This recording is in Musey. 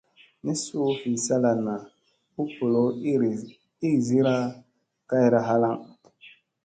Ni suu vi salana, u bolow iirizira kayra halaŋ.